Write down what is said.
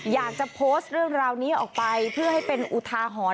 อยากจะโพสต์เรื่องราวนี้ออกไปเพื่อให้เป็นอุทาหรณ์